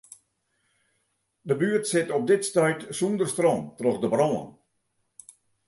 De buert sit op dit stuit sûnder stroom troch de brân.